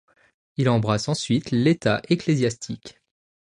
Il embrasse ensuite l'état ecclésiastique.